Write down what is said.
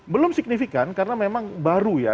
belum signifikan karena memang baru ya